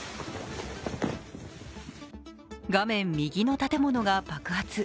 画面右の建物が爆発。